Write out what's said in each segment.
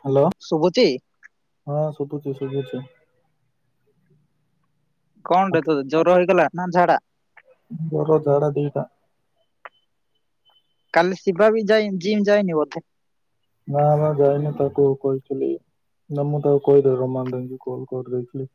Hello ଶୁଭୁଚି? ହଁ ଶୁବ ଶୁଭୁଚି ଶୁଭୁଚି। କଣ ଟା ତୋତେ ଜର ହେଇଗଲା। ନା ଝାଡା। ଜର ଝାଡା ଦିଟା। କାଲି ଶିବା ବି ଯାଇଁ ଯିମ ଯାଇନି ବୋଧେ। ନା ବା ଯାଇନି ତାକୁ କହିଥିଲି ନା ମୁଁ ତାକୁ କହିଦେବି ରମା ଏମତି କଲ କରିଦେଇଥିଲି।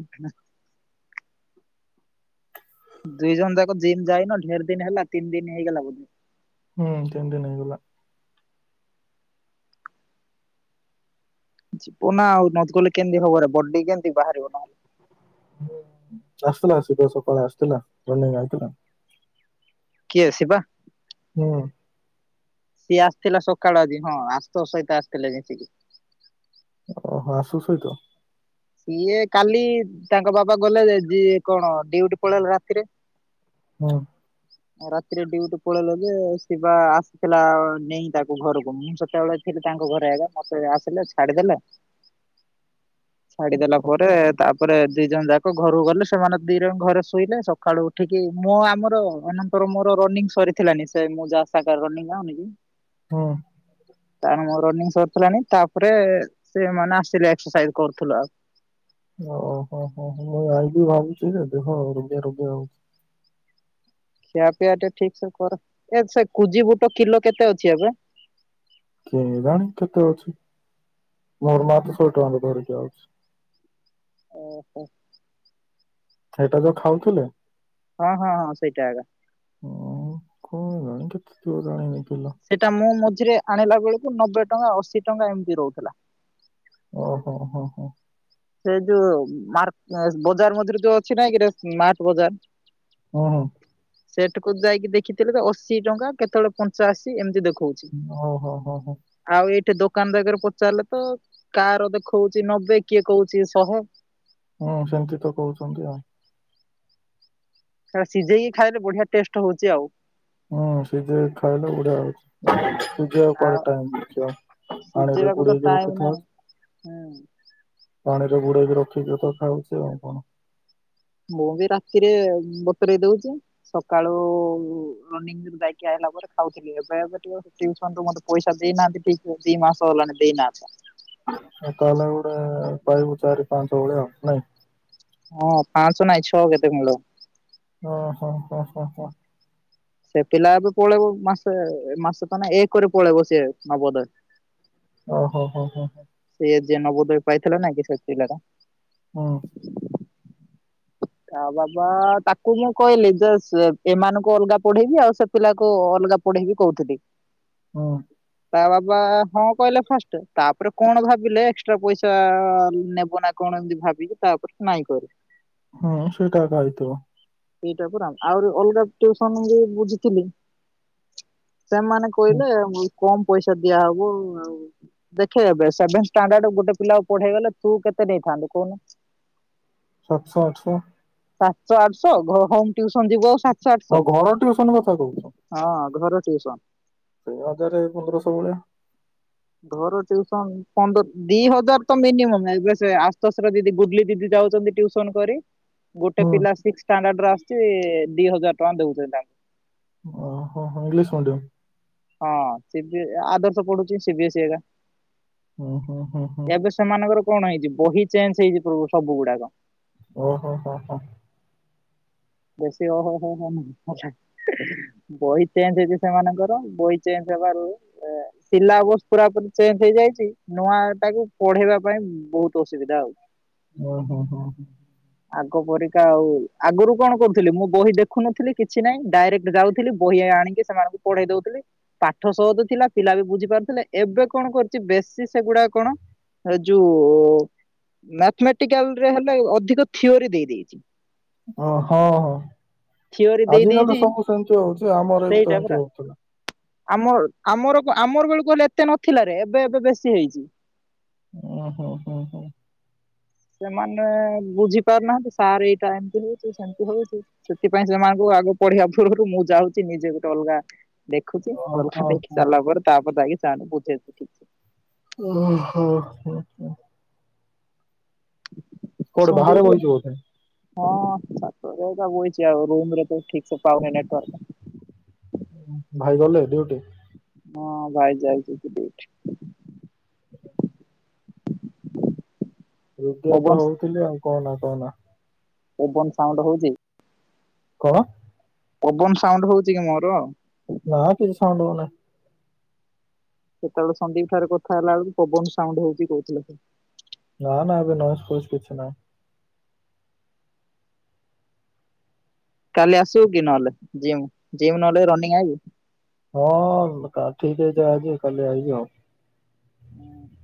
ଆଚ୍ଛା। ଦିଇ ଜଣ ଯାକ ଜିମ୍ ଯାଇନ ଢେର ଦିନ ହେଲା ତିନି ଦିନ ହେଇଗଲା ବୋଧେ। ହୁଁ ତିନଦିନ ହେଇଗଲା। ଯିବୁ ନା ଆଉ ନକ ଗଲେ କେମତି ହବ ରେ ବଡି କେମତି ବାହାରିବ ନହେଲେ ଆସୁଥିଲା ଆସିଥିଲା ସକାଳେ ଆସୁଥିଲା ମର୍ଣିଂ ଆଇଥିଲା। କିଏ ଅସିବା। ହୁଁ। ସିଏ ଆସିଥିଲା ସକାଳୁ ଆଜି ହଁ ଆଜି ତୋ ସହିତ ଆସିଥିଲେ ଜିକି? ଓୋ ହୋ ଆସୁ ସହିତ। ସିଏ କାଲି ତାଙ୍କ ବାବା ଗଲେ ଯିଏ କଣ ଡଉଟି ପଳେଇଲେ ରାତିରେ। ହଁ। ରାତିରେ ଡଉଟି ପଳେଇଲ ଯେ ଶିବା ଆସିଥିଲା ନେଇ ତାକୁ ଘରକୁ ମୁଁ ସେତେବେଳେ ଥିଲି ତାଙ୍କ ଘରେ ଆଗ ମତେ ଆସିଲେ ଛାଡିଦେଲେ ଛାଡିଦେଲା ପରେ ତା ତା ପରେରେ ଦି ଜଣ ଯାକ ଘରକୁ ଗଲେ ସେମାନେ ଦି ଜଣ ଘରେ ଶୋଇଲେ ସକାଳୁ ଉଠିକି ମୋ ଆମର ଏର ମୋର ରନିଙ୍ଗ ସରିଥିଲାାନି ସେଁ ଯାହା ସା ଆଉନି ହଁ। ତା ମୋର ରନିଂ ସରିଥିଲାଣି ତାପରେ ସେମାନୋନେ ଆସିଥିଲେ ଏକ୍ସରସାଇଜ କରୁଥିଲୁ ଆଉ। ଓ ହୋ ହୋ ହୋ ମୁଁ ଆଇ ବିି ଭାବୁଛି ଦେଖ ରୋଗ ରୋଗ ହଉଛି। ଖିଆ ପିଆ ଟେ ଠିକ ସେ କର ଏ ସେ କୁଜି ବୁଟ କିଲୋ କେତେ ଅଛି ଏବେ? କେ ଜାଣି କେତେ ଅଛି। ମୋର୍ ମାସ ସ ଟ ଧରଛ ଆଉ। ଓହୋ। ସେଇଟା ଯୋଉ ଖାଉଥିଲେ? ହଁ ହଁ ହଁ ସେଇଟା ଏକା। ହ କଣ ଜାଣି କେତେଥିବ ଜାଣିନି। କିଲୋ ସେଇଟା ମୁଁ ରେ ଆଣିଲା ବେଳକୁ ନବେ ଟଙ୍କା ଅଶୀ ଟଙ୍କା ଏମିତି ରହୁଥିଲା। ଓ ହୋ ହୋ ହୋ। ସେ ଯୋଉ ସ୍ମଟ ବଜାର ମଝିରେ ଯୋଉ ଅଛି ନାଇକିରେ ସ୍ମାର୍ଟ ବଜାର। ଓ ହୋ। ସେଠକୁ ଯାଇକି ଦେଖିଥିଲେ ତ ଅଶୀ ଟଙ୍କା କେତେବେଳେ ପଞ୍ଚାଅଶୀ ଏମିତି ଦେଖୁ ଓ ହୋ ହୋ ହୋ। ଠେ ଦୋକାନ ଜାଗାରେ ପଚାରିଲେ ତ କାହାର ଦେଖଉଛି ନବେ କିଏ କହୁଛି। କିଏ। ହୁଁ ସେମିତି ତ କହୁଛନ୍ତି ଆଉ। ସେଟ ସିଝେଇକି ଖାଇଲେ ବଢିଆ ଟେଷ୍ଟ ହଉଛି ଆଉ। ହଁ ସେ ଯେ ଖାଇଲେ ବଢିଆ ହଉଛି। କଣ ଆଉ ଟାଇ ପାଣିରେ ସିଝେଇବାକୁ ତ ପୁଡେଇକି ଟାଇମ ରଖିଥା। ନାହିଁ ହୁଁ ପାଣିର ଗୁଡେଇ ବି ରଖିକି ତଥାାଉଛି ଆଉ କଣ। ମୁଁ ବି ରାତିରେ ବତରଇ ଦଉଛି ସକାଳୁ ରନିଙ୍ଗ ଯାଇକି ଆସିଲା ପରେ ଖାଉଥିଲି ଏବେ ଏବେ ଟିକେସୁ ମତେ ପଇସା ଦେଇନାହାନ୍ତିିକ ଦି ମାସ ହେଲାଣି ଦେଇନାହାନ୍ତା। ତାହେଲେ ଗୋଟେ ପାଇବୁ ଚାରି ପାଞ୍ଚ ଭଳିଆ । ନଆ ହଁ ପାଞ୍ଚ ନାଇଁ ଛଅ କେତେ ମୂଳ। ହ ହୋ ହ ହୋ ହ। ସେ ପିଲା ଏବେ ପଳେଇବ ମାସେ ମାସେ ତ ନାଇ ଏକରେ ପଳେଇବ ସିଏ ନବୋଦୟ। ଓ ହୋ ହୋ ହୋ ହୋ। ସେ ଯେ ନବୋଦୟ ପାଇଥିଲା ନା କି ସେ ପିଲା ଟା। ହୁଁ। ତା ବାବା ତାକୁ ମୁଁ କହିଲି ଯେ ସେ ଏମାନଙ୍କୁ ଅଲଗା ପଢେଇବି ଆଉ ସେ ପିଲାକୁ ଅଲଗା ପଢେଇବି କହୁଥିଲି। ହୁଁ। ତା ବାବା ହଁ କହିଲେ ଫାଷ୍ଟ ତାପରେ କଣ ଭାବିଲେ ଏକ୍ସଟ୍ରା ପଇସା ନେବ ନା କଣ ଏମତି ଭାବିକି ତାପରେ ନାଇଁ କହିଲେ। ହୁଁ ସେଇଟା ଏକା ହେଇଥିବ। ସେଇଟା ପରା ଆହୁରି ଅଲଗା ଟିଉସନ୍ ବି ବୁଝିଥିଲି। ସେମାନେ ହୁଁ କହିଲେ ମୁଁ କମ ପଇସା ଦିଆ ହବ ଆଉ ଦେଖେ ଏବେ ସେଭେନ ଷ୍ଟାଣ୍ଡାର୍ଡ ଗୋଟେ ପିଲାକୁ ପଢେଇଗଲେ ତୁ କେତେ ନେଇଥାନ୍ତୁ କହୁନୁ। ସାତଶ ଆଠଶ। ସାତଶ ଆଠଶ ଘ ହୋମ ଟ୍ୟୁସନ ଯିବୁ ଆଉ ସା ଓ ଘର ଟିଉସନ କଥା କହୁଚୁ। ହଁ ଘର ଟିଉସନ୍। ସେଇ ହଜାରେ ପନ୍ଦର ସ ଭଳିଆ। ଘର ଟିଉସନ ପନ୍ଦ ଦି ହଜାର ତ ମିନିମମ ଏବେ ସେ ଆଶୁତୋଷ ର ଦିଦି ଗୁଡଲି ଦିଦି ଯାଉଛନ୍ତି ଟିଉସନ କରି। ଗୋଟେ ହୁଁ ପିଲା ସିକ୍ସ ଷ୍ଟାଣ୍ଡାର୍ଡ ର ଆସଛି ଦି ହଜାର। ଟଙ୍କା ଦଉଛନ୍ତି ତାଙ୍କ। ଓ ହୋ ହୋ ଇଙ୍ଗଲିଶ ମିଡିଅମ। ହଁ ସି ବି ଆଦର୍ଶ ପଢଚି ସିି ବି ଏସି ଏକା। ହୁଁ ହୁଁ ହୁଁ ହୁଁ। ଏବେ ସେମାନଙ୍କର କଣ ହେଇଚି ବହି ଚେଞ୍ଜ ହେଇଚି ପୁ ସବୁ ଗୁଡାକ। ଓ ହୋ ହୋ ହୋ। ବେଶୀ ଓ ହୋ ହୋ ହୋ ହନି ଆଚ୍ଛା ବହି ଚେଞ୍ଜ ହେଇଛି ସେମାନଙ୍କର ବହି ଚେଞ୍ଜ ହବାରୁ ଆ ଶିଲାବସ ପୁରା ପୁରି ଚେଞ୍ଜ ହେଇଯାଇଚି ନୂଆ ତାକୁ ପଢେଇବା ପାଇଁ ବହୁତ ଅସୁବିଧା ଆଉ। ଓ ହୋ ହୋ ହୋ ହଁ। ଆଗ ପରିକା ଆଉ ଆଗୁରୁ। କଣ କରୁଥିଲି ମୁଁ ବହି ଦେଖୁନଥିଲି କିଛି ନାହିଁ ଡାଇରେକ୍ଟ ଯାଉଥିଲି ବହି ଆଣିକି ସେମାନଙ୍କୁ ପଢେଇ ଦଉଥିଲି ପାଠ ସହଜ ଥିଲା ପିଲା ବି ବୁଝି ପାରୁଥିଲେ ଏବେ କଣ କରୁଛି ବେଶୀ ସେଗୁଡା କଣ ଏ ଯୋଉ ମ୍ୟାଥମେଟିକାଲରେ ହେଲେ ଅଧିକ ଥିଓରି ଦେଇ ଦେଇଚି। ଓ ହଁ ହଁ। ଥିଓରି ଦେଇ ଆଜି କାଲି ତ ଦେଇଛି ସବୁ ସେମିତି ହଉ ସେଇଟା ପରା ଆମ ଆମର କ ଆମର ବେଳକୁ କହିଲେ ଏତେ ନଥିଲା ରେ ଏବେ ଏବେ ବେଶୀ ହେଇଚି। ଓ ହୋ ହୋ ହୋ। ସେମାନେ ବୁଝି ପାରୁନାହାନ୍ତି ସାର୍ ଏଇଟା ଏମତି ହଉଛି ସେମିତି ହଉଛି ସେଥିପାଇଁ ସେମାନଙ୍କୁ ଆଗୁ ପଢିବା ପୂର୍ବରୁ ମୁଁ ଯାଉଛି ନିଜେ ଗୋଟେ ଅଲଗା ଦେଖୁଚି ଅଲଗା ଓହୋ ଦେଖି ସାରଲା ପରେ ତା ଯାଇକି ସାର ଙ୍କୁ ବୁଝେଇବ ଠିକ୍ ସେ। ଓ ହୋ ହଁ ହଁ। କୋଉଠି ବାହାରେ ସନ୍ଦୀପ ବଇଚୁ ବୋଧେ। ହଁ ଛାତ ଉପରେ ଏକା ବଇଚି ଆଉ ରୁମ ରେ ତ ଠିକ ସେ ପାଉନି ନେଟୱାର୍କ। ଭାଇ ଗଲେ ଡ୍ୟୁଟି। ମୋ ଭାଇ ଯାଉଚି କି ଡ୍ୟୁଟି। [inaudible] [unintelligible] ତ ପବନ ହଉଥିଲି ଆଉ କଣ। କଣ? ପବନ ସାଉଣ୍ଡ ହଉଛି? କଣ? ପବନ ସାଉଣ୍ଡ ହଉଛି କି ମୋର? ନା କିଛି ସାଉଣ୍ଡ ହଉନି। ସେତେବେଳେ ସନ୍ଦୀପ ଠାରେରେ କଥା ହେଲା ବେଳକୁ ପବନ ସାଉଣ୍ଡ ହଉଛି କହୁଥିଲେ ସେ। ନା ନା ଏବେ ନହସ୍ ଫୋସ କିଛି ନାହିଁ। କାଲି ଆସିବୁ କି ନହେଲେ ଜିମ୍ ଜିମ୍ ନହେଲେ ରନିଙ୍ଗ ଆଇବୁ? ହଁ ଠିକ ଅଛି ଆଜି କାଲି ଆଇବି ଆଉ।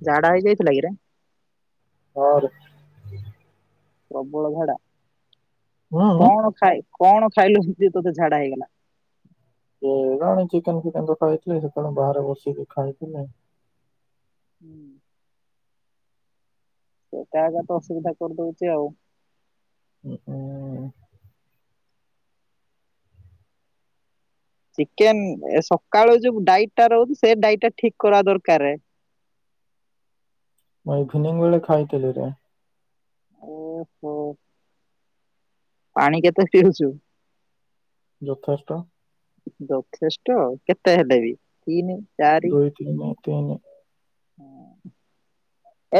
ଝାଡା ହେଇ ଯାଇଥିଲା କିରେ? ହଁ ରେ। ପ୍ରବଳ ଝାଡା। ହୁଁ ହୁଁ। କଣ ଖାଇ କଣ ଖାଇଲ ସେ ତୋତେ ଝାଡା ହେଇଗଲା? କେଜାଣି ଚିକେନ ଫିକେନ ତ ଖାଇଥିଲେି ସେତେବେଳେ ବାହାରେ ବସିକି ଖାଇଥିଲି। ହୁଁ। ସେଟା ଏକା ତ ଅସୁବିଧା କରିଦଉଛି ଆଉ। ହ। ଚିକେନ ସକାଳୁ ଯୋଉ ଡାଇଟ୍ ଟା ରହୁଛି ସେ ଡାଇଟ୍ ଟା ଠିକ କରିବା ଦରକାର। ଖିନି ବେଳେ ଖାଇଥିଲି ରେ। ଓହୋ। ପାଣି କେତେ ପିଉଛୁ? ଯଥେଷ୍ଟ। ତ କେତେ ହେଟେ ବି? ତିନ ଚାରି? ଦୁଇ ତିନି ତିନି।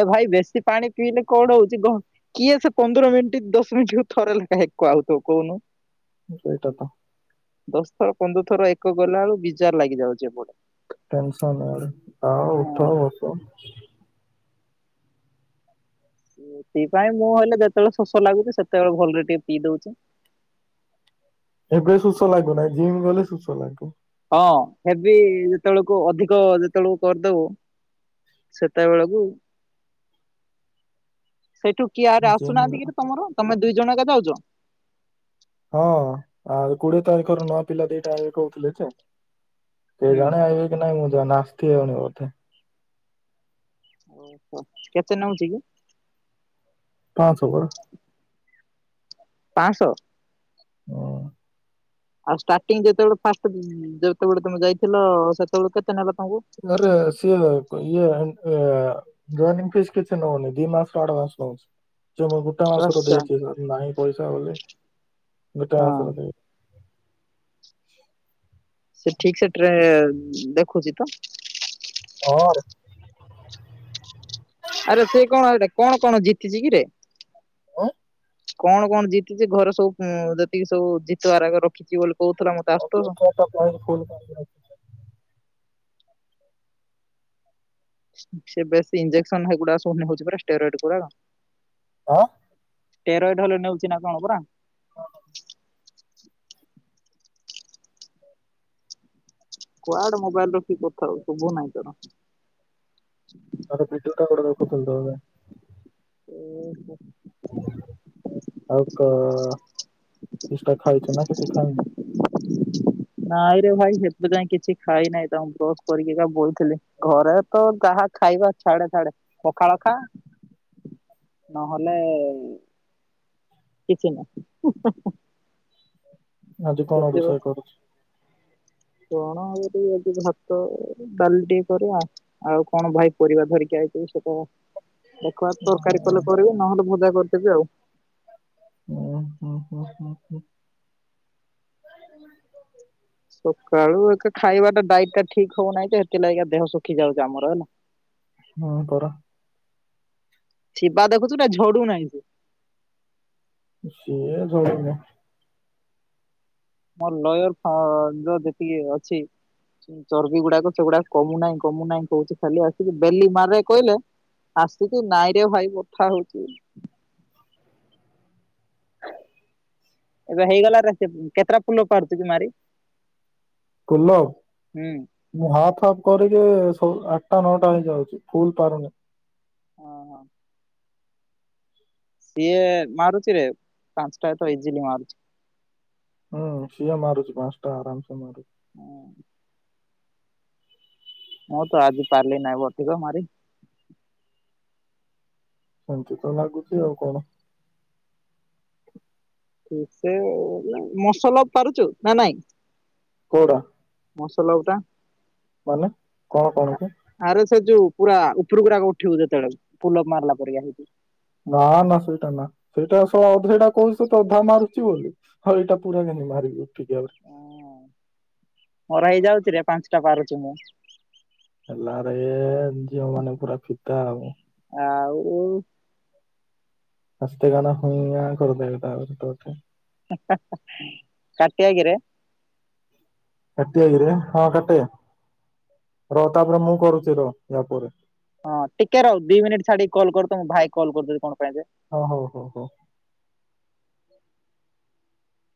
ଏ ଭାଇ ବେଶୀ ପାଣି ପିଇଲେ କଣ ହଉଛି କିଏ ସେ ପନ୍ଦର ମିନିଟ ଦଶ ମିନିଟ୍ ଥରେ ଲେଖା ଏକ ଆଉଥିବ କହୁନୁ। ସେଇଟା ତ। ଦଶ ଥର ପନ୍ଦର ଥର ଏକ ଗଲା ବଳୁ ବିଜାର ଲାଗିଯାଉଛି ଏପଟେ। ଟେନସନ ଏଇଆଡ଼ ଆଉ ଉଠ ହଁ ଆଉ। ତ। ସେଥିପାଇଁ ମୁଁ ହେଲେ ଯେତେବେଳେ ଶୋଷ ଲାଗୁଛି ସେତେବେଳେ ଭଲରେ ଟିକେ ପିଇ ଦଉଛି। ଏବେ ଶୋସ ଲାଗୁନାହିଁ ଜିମ୍ ଗଲେ ଶୋସ ଲାଗିବ। ହଁ ହେବି ଯେତେବେଳକୁ ଅଧିକ ଯେତେବେଳକୁ କରିଦବ ସେତେବେଳକୁ ସେଇଠୁ କିଏଆରେ ଜିମ୍ ଗ ଆସୁନାହାନ୍ତି କି ତମର ତମେ ଦୁଇ ଜଣ ଯାକ ଆଉଚ। ହଁ ଆଉ କୋଡିଏ ତାରିଖରୁ ନୂଆ ପିଲା ଦେଇଟା ଏବେ କହୁଥିଲେ ଚ। କେ ହୁଁ ଜଣେ ଆଇିବେ କି ନାଇଁ ମୁଁ [unintelligible] ଓ କେତେ ନେଉଛି କି? ପାଞ୍ଚଶହ ପରା ପାଞ୍ଚଶହ [unintelligible] ଆଉ ଷ୍ଟାର୍ଟିଂ ଯେତେବେଳେ ଫାଷ୍ଟ ଯେତେବେଳେ ତମେ ଯାଇଥିଲ ସେତେବେଳେ କେତେ ନେଲା? ତମକୁ? ଆରେ ସିଏ ଇଏ ଏ ଜଏନିଙ୍ଗ ଫିସ୍ କିଛି ନଉନି ଦି ମାସର ଆଡ଼ଭାନ୍ସ ନଉଛି। ମୁଁ ଗୋଟା ମାସରେ ଆଚ୍ଛା। ଦେଇଛି ନାଇଁ। ପଇସା ହଲେ। ଦୁଇଟା ମାସର ଦେବି। ସେ ଠିକ ସେଠରେ ଦେଖୁଛି ତ? ହ। ଆରେ ସେ କଣ ଏଟା କଣ କଣ ଜିତିଛି କି ରେ? ହଁ? କଣ କଣ ଜିତଛି ଘରେ ସବୁ ଯେତିକି ସବୁ ଜିତବାର ଏକା ରଖିଛି ବୋଲି କହୁଥିଲା ମତେ ଆସୁତୋଷ। [unintelligible] ସେ ବେଶ ଇଞ୍ଜେକ୍ସନ ହେଇଗୁଡା ସ ହଉଛି ଷ୍ଟେଇରଡ ଗୁଡା ଆଁ ଟେରଏଡ ହେଲେ ନେଉଛି ନା କଣ ପରା କୁଆଡେ ମୋବାଇଲ ରଖି କଥା ଶୁଭୁ ନହିଁ ତର [unintelligible] ଓହ। ଆଉ କ କିଛିଟା ଖାଇଛ ନା କିଛି ଖାଇନ? ନାଇଁରେ ଭାଇ ସେଥିପାଇଁ କିଛି ଖାଇ ନାହିଁ ତାମକୁ ବ୍ରସ୍ କରିକି କ ବଇଥିଲି ଘରେ ତ ଯାହା ଖାଇବା ଛାଡେ ଛାଡେ ପଖାଳ ଖା ନହେଲେ କିଛି ନାହି। ଆଜି କଣ ରୁଷେଇ କରୁଛି। କଣ ହବ ଟିକେ ଆଜି ଭାତ ଡାଲି ଟିକେ କରିବା ଆଉ କଣ ଭାଇ ପରିବା ଧରିକି ଆଇଛି ସେଟା ଦେଖ ହୁଁ ତରକାରୀ କଲେ କରିବେ ନହେଲେ ଭଜା କରିବ। [unintelligible] ଓ ହୁଁ ହୁଁ ହୁଁ ହୁଁ। ସକାଳୁ ଏକ ଖାଇବାଟା ଡାଇଟ୍ ଟା ଠିକ ହଉନାହିଁ ତ ସେଥିଲାଗି ଦେହ ଶୁଖି ଯାଉଛି ଆମର ହେଲା। ହଁ ପରା। ଶିବା ଦେଖୁଛୁା ଝଡୁନାହିଁ ସେ। ସେଇ ଝଡ଼ୁନି। ମୋ ଲୟର ଯୋଉ ଯେତିକି ଅଛି ଚର୍ବି ଗୁଡାକ ସେଗୁଡାକ କମୁନାହିଁ କମୁନାହିଁ କହୁଛି ଖାଲି ଆସଛି ବେଲି ମାର କହିଲେ ଆସୁଛି ନାଇଁରେ ଭାଇ ବଥା ହଉଛି। ଏବେ ହେଇଗଲାରେ କେତେଟା ଫୁଲ ଅଫ ପାରୁଛୁ କି ମାରି? ପୁଲ ଅଫ ହୁଁ ମୁ ହାଫ ହଫ କର ଯେ ଆଠଟା ନଅଟା ହେଇଯାଉଛି ଫୁଲ ପାରୁନି। ହଁ ହଁ। ସିଏ ମାରୁଛି ରେ ପାଞ୍ଚଟା ତ ଇଜିଲି ମାରୁଛି। ହୁଁ ସିଅ ମାରୁଛି ପାଞ୍ଚଟା ଆରାମସେ ମାରୁଛି। ହଁ। ମୁଁ ତ ଆଜି ପାରିଲି ନାଇ ବ ଠିକ ମାରି ସେମିତି ତ ଲାଗୁଛି ଆଉ କଣ ସେ ମସଲ ପାରୁଛୁ ନା ନାଇଁ? କୋଉଟା ମସଲ ଗୋଟା ମାନେ କଣ କଣ କି ଆରେ ସେ ଯୋଉ ପୁରା ପକୁୁରା ଗକୁଠେଉଦ ତଳ ପୁଲ ମାରିଲ ପରେ ନା ନା ସେଇଟା ନା ସେଇଟା ସୁ ଅଧଟା କହୁଛ ତ ଅଧା ମାରୁଛି ବୋଲି ଆଉ ଏଇଟା ପୁରା କେି ମାରିବି ଉଠିକି ଆହୁରି ହ ମୋର ହେଇଯାଉଛିରେ ପାଞ୍ଚଟା ପାରୁ ଯେମଁ ହେଲାାରେ ଝିଅ ମାନେ ପୁରା ଫିତାା ହବ। ଓୁ। ହସତେ କାନା ହୁା କରିଦବେ ତା ତଠେ କଟି ଆଗରେ ରେ ହଁ କାଟେ ର ତାପରେ ମୁଁ କରୁଛି ର ୟା ପରେ ହଁ ଟିକେ ରହୁ ଦି ମିନିଟ୍ ଛାଡିକ କଲ୍ୁ ତ ମୁଁ ଭାଇ କଲ୍ କରିଦେ କଣ ପାଇଁ ହ ହୋ ହୋ ହୋ।